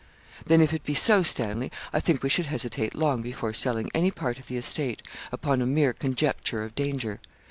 'Then, if it be so, Stanley, I think we should hesitate long before selling any part of the estate, upon a mere conjecture of danger.